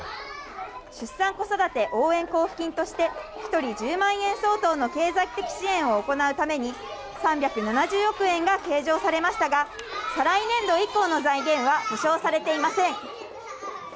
出産・子育て応援交付金として、１人１０万円相当の経済的支援を行うために、３７０億円が計上されましたが、再来年度以降の財源は保証されていません。